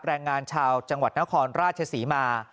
แรงงานชาวจังหวัดนครราชศรีมา